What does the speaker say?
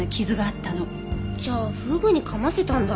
じゃあフグに噛ませたんだ。